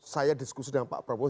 saya diskusi dengan pak prabowo